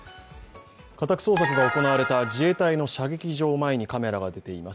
家宅捜索が行われた自衛隊の射撃場前にカメラが出ています。